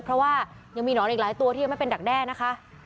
เพราะว่ายังมีหนอนอีกหลายตัวที่ยังไม่เป็นดักแด้นะคะ